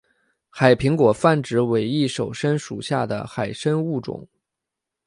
海苹果泛指伪翼手参属下的海参物种。